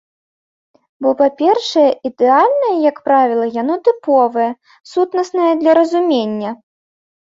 Бо, па-першае, ідэальнае, як правіла, яно тыповае, сутнаснае для разумення.